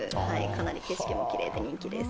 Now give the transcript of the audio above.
かなり景色もきれいで人気です。